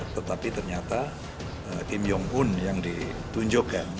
tetapi ternyata kim jong un yang ditunjukkan